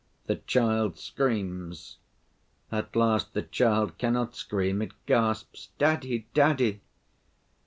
The child screams. At last the child cannot scream, it gasps, 'Daddy! daddy!